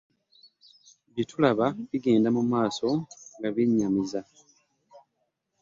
Bye tulaba bigenda mu maaso nga byennyamiza!